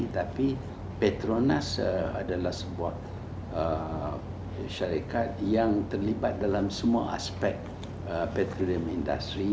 tapi petronas adalah sebuah syarikat yang terlibat dalam semua aspek petrolium industri